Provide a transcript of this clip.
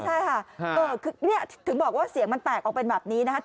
ใช่ค่ะคือถึงบอกว่าเสียงมันแตกออกเป็นแบบนี้นะคะ